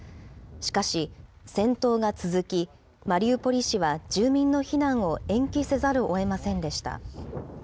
しかし、戦闘が続き、マリウポリ市は住民の避難を延期せざるをえませんでした。